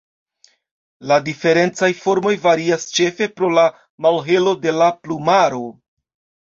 La diferencaj formoj varias ĉefe pro la malhelo de la plumaro.